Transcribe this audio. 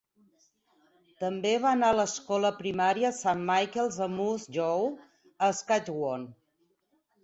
També va anar a l'escola primària Saint Michael's a Moose Jaw a Saskatchewan.